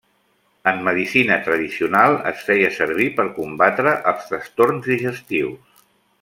En medicina tradicional es feia servir per combatre els trastorns digestius.